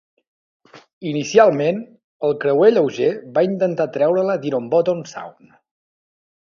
Inicialment, el creuer lleuger va intentar treure-la d'Ironbottom Sound.